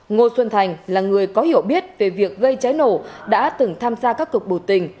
ngô xuân thành là người có hiểu biết về việc gây cháy nổ đã từng tham gia các cuộc biểu tình